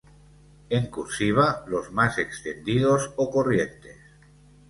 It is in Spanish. En "cursiva", los más extendidos o corrientes.